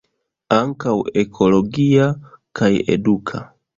Ankaŭ ekologia kaj eduka.